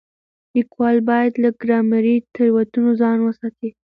ليکوال بايد له ګرامري تېروتنو ځان وساتي.